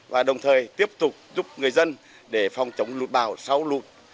và đồng thời tiếp tục giúp người dân để phòng chống lụt bào sau lụt